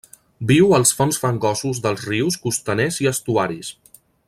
Viu als fons fangosos dels rius costaners i estuaris.